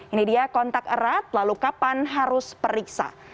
ini dia kontak erat lalu kapan harus periksa